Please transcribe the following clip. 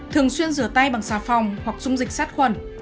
thường xuyên rửa tay bằng xà phòng hoặc dung dịch sát khuẩn